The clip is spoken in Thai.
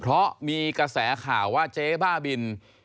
เพราะมีกระแสข่าวว่าเจ๊บ้าบิน